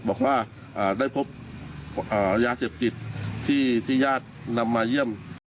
บอกว่าได้พบระยะเศียบจิตที่ญาตินำมาเยี่ยม